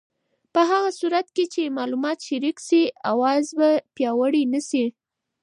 په هغه صورت کې چې معلومات شریک شي، اوازې به پیاوړې نه شي.